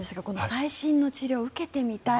最新の治療を受けてみたい。